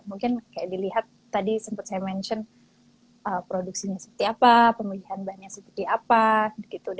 mungkin kayak dilihat tadi sempat saya mention produksinya seperti apa pemilihan bahannya seperti apa